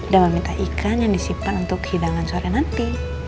dan meminta ikan yang disimpan untuk hidangan sore nanti